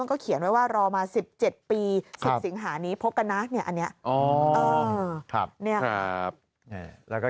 มันก็เขียนไว้ว่ารอมา๑๗ปีสิงหานี้พบกันนะอันนี้แล้วก็